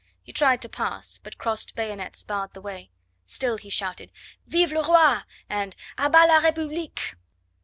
He tried to pass, but crossed bayonets barred the way. Still he shouted: "Vive le roi!" and "A bas la republique!"